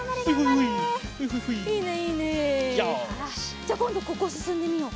じゃあこんどここすすんでみよう。